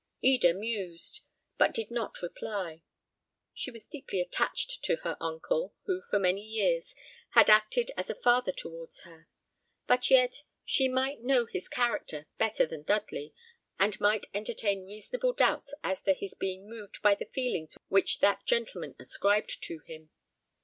Eda mused, but did not reply. She was deeply attached to her uncle, who for many years had acted as a father towards her; but yet she might know his character better than Dudley, and might entertain reasonable doubts as to his being moved by the feelings which that gentleman ascribed to him.